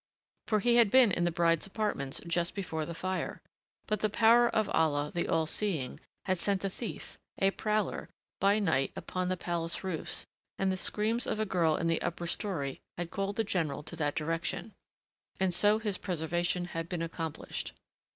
For he had been in the bride's apartments just before the fire. But the power of Allah, the Allseeing, had sent a thief, a prowler, by night, upon the palace roofs, and the screams of a girl in the upper story had called the general to that direction. And so his preservation had been accomplished.